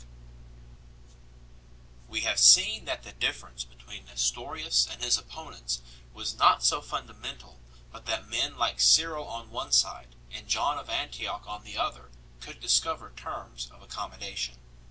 Rabtilas of Edessa We have seen that the difference between Nestorius and his opponents was not so fundamental but that men like Cyril on one side and John of Antioch on the other could discover terms of accommodation.